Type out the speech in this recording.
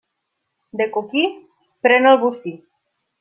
De coquí pren el bocí.